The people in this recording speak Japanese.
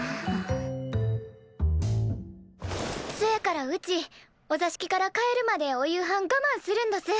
そやからうちお座敷から帰るまでお夕飯がまんするんどす。